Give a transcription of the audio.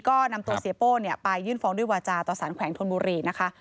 ก็นำตัวเสียโป้ไปยื่นฟ้องด้วยวาจาต่อสารแขวงธนบุรีนะคะ